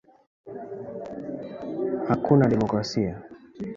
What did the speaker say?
Hakuna demokrasia